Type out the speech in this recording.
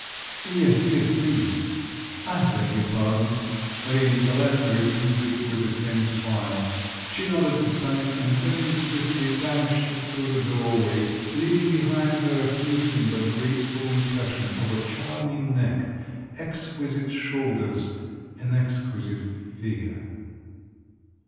"Yes, yes, please. I beg your pardon," Maria Nikolaevna repeated with the same smile. She nodded to Sanin, and turning swiftly, vanished through the doorway, leaving behind her a fleeting but graceful impression of a charming neck, exquisite shoulders, an exquisite figure.